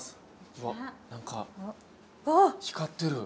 うわっ何か光ってる。